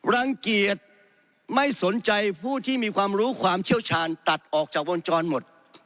รังเกียจไม่สนใจผู้ที่มีความรู้ความเชี่ยวชาญตัดออกจากวงจรหมด